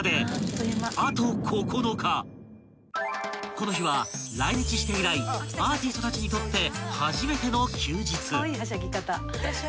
［この日は来日して以来アーティストたちにとって初めての休日］